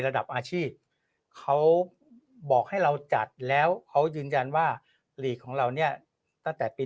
ระดับอาชีพเขาบอกให้เราจัดแล้วเขายืนยันว่าหลีกของเราเนี่ยตั้งแต่ปี๒๕